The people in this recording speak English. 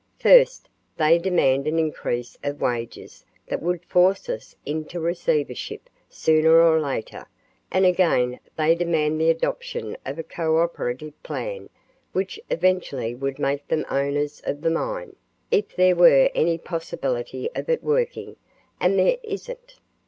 First, they demand an increase of wages that would force us into a receivership sooner or later and again they demand the adoption of a cooperative plan which eventually would make them owners of the mines, if there were any possibility of it working, and there isn't.